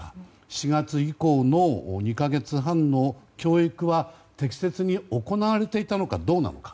４月以降の２か月半の教育は適切に行われていたのかどうなのか。